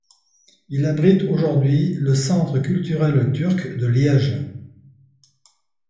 Il abrite aujourd'hui le centre culturel turc de Liège.